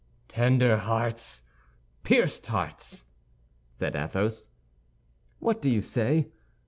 "Tender hearts! Pierced hearts!" said Athos. "What do you say?"